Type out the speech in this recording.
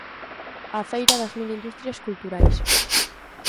'A feira das mil industrias culturais'.